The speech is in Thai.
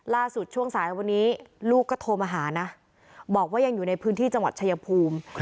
ช่วงสายวันนี้ลูกก็โทรมาหานะบอกว่ายังอยู่ในพื้นที่จังหวัดชายภูมิ